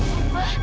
kamu sudah di suruh